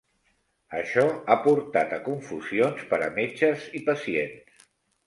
Això ha portat a confusions per a metges i pacients.